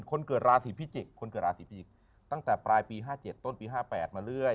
คนเกิดราศีพิจิกษ์คนเกิดราศีพิจิกตั้งแต่ปลายปี๕๗ต้นปี๕๘มาเรื่อย